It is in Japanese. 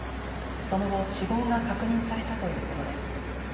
その後、死亡が確認されたということです。